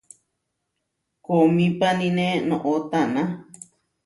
Koomípanine noʼó taná.